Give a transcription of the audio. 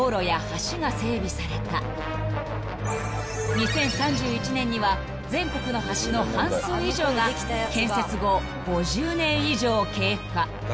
［２０３１年には全国の橋の半数以上が建設後５０年以上経過］